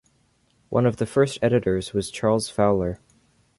One of the first editors was Charles Fowler.